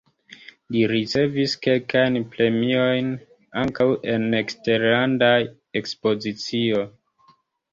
Li ricevis kelkajn premiojn, ankaŭ en eksterlandaj ekspozicioj.